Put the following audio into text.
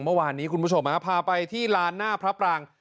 เมื่อวานนี้คุณผู้ชมพาไปที่ลานหน้าพระปราง